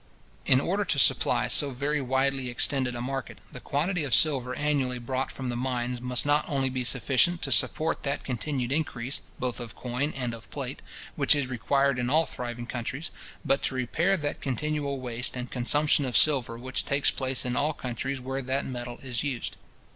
In order to supply so very widely extended a market, the quantity of silver annually brought from the mines must not only be sufficient to support that continued increase, both of coin and of plate, which is required in all thriving countries; but to repair that continual waste and consumption of silver which takes place in all countries where that metal is used.